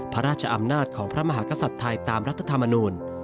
พระราชอำนาจของพระมหากษัตริย์ไทยตามรัฐธรรมนูล